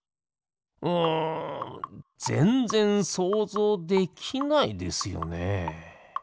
うんぜんぜんそうぞうできないですよね。